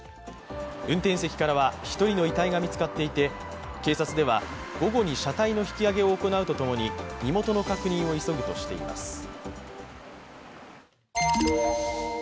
運転席からは１人の遺体が見つかっていて警察では午後に車体の引き上げを行うとともに身元の確認を急ぐとしています。